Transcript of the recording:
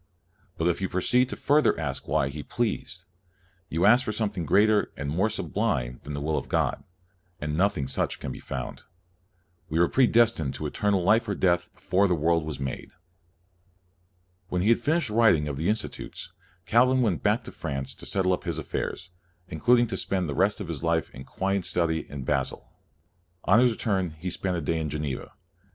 But if you proceed further to ask why He pleased, you ask for something greater and more sublime than the will of God, and nothing such can be found." We were predestined to eternal life or death before the world was made. When he had finished the writing of the CALVIN 107 Institutes, Calvin went back to France to settle up his affairs, intending to spend the rest of his life in quiet study in Basel. On his return he spent a day in Geneva.